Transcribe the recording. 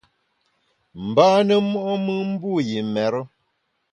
Mbâne mo’mùn mbu yi mêre.